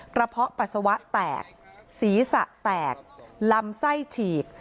เพาะปัสสาวะแตกศีรษะแตกลำไส้ฉีก